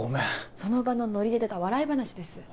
その場のノリで出た笑い話です。